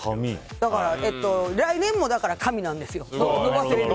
だから、来年も「髪」なんです。